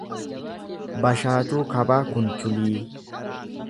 Bashaatuu Kabaa Kunchulii